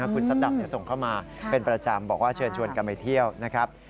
คุณซัดดำส่งเข้ามาเป็นประจำบอกว่าเชิญชวนกันไปเที่ยวนะครับ